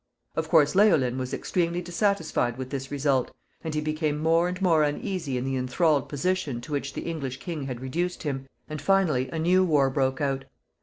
Of course, Leolin was extremely dissatisfied with this result, and he became more and more uneasy in the enthralled position to which the English king had reduced him, and finally a new war broke out.